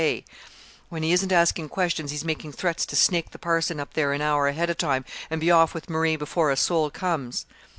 K. When he isn't asking questions he's making threats to snake the parson up there an hour ahead of time and be off with Marie before a soul comes."